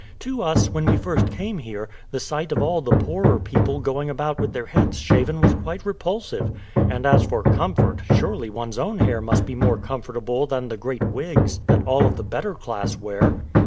"To us, when we first came here, the sight of all the poorer people going about with their heads shaven was quite repulsive and as for comfort, surely one's own hair must be more comfortable than the great wigs that all of the better class wear."